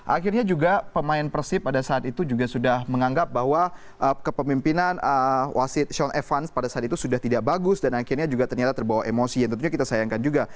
akhirnya juga pemain persib pada saat itu juga sudah menganggap bahwa kepemimpinan wasit zon evans pada saat itu sudah tidak bagus dan akhirnya juga ternyata terbawa emosi yang tentunya kita sayangkan juga